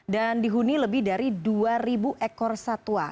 dan dihuni lebih dari dua ekor satwa